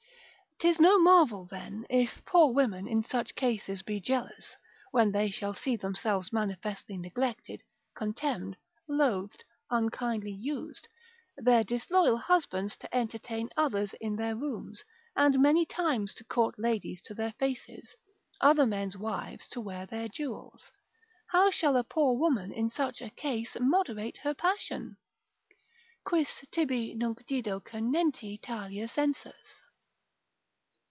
'Tis no marvel, then, if poor women in such cases be jealous, when they shall see themselves manifestly neglected, contemned, loathed, unkindly used: their disloyal husbands to entertain others in their rooms, and many times to court ladies to their faces: other men's wives to wear their jewels: how shall a poor woman in such a case moderate her passion? Quis tibi nunc Dido cernenti talia sensus?